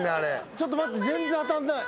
ちょっと待って全然当たんない。